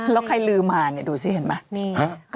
แล้วใครลืมมาเนี่ยดูสิเห็นไหม